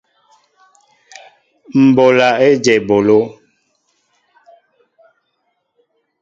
M ɓola éjem eɓoló.